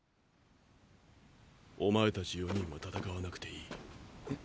お前たち４人は戦わなくていい。